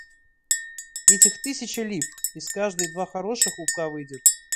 Ведь их тысяча лип, из каждой два хороших лубка выйдет.